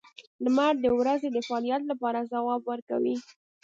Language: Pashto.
• لمر د ورځې د فعالیت لپاره ځواب ورکوي.